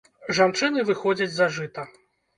Жанчыны выходзяць за жыта.